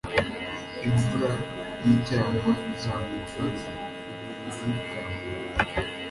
imvura yicyaha izamuka ku buriri bwawe